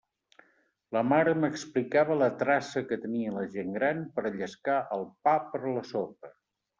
La mare m'explicava la traça que tenia la gent gran per a llescar el pa per a la sopa.